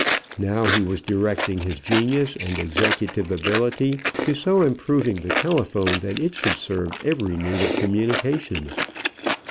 Now he was directing his genius and executive ability to so improving the telephone that it should serve every need of communication.